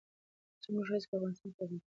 زموږ هڅې به افغانستان اباد کړي.